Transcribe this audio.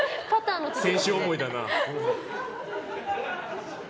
選手思いだな。